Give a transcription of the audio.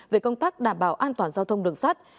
về công tác đảm bảo an toàn giao thông đường sắt